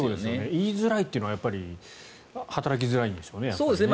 言いづらいというのは働きづらいんでしょうね。